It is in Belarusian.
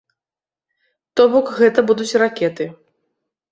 То бок, гэта будуць ракеты.